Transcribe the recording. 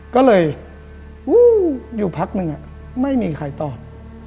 ก็เลยอยู่พักนึงไม่มีใครตอบ